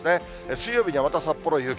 水曜日にはまた札幌、雪。